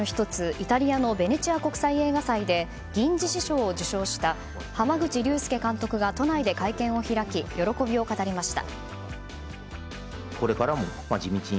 イタリアのベネチア国際映画祭で銀獅子賞を受賞した濱口竜介監督が都内で会見を開き喜びを語りました。